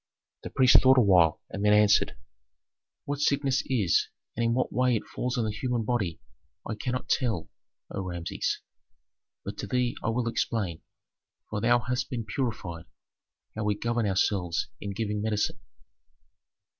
The priest thought awhile and then answered, "What sickness is and in what way it falls on the human body, I cannot tell, O Rameses. But to thee I will explain, for thou hast been purified, how we govern ourselves in giving medicine.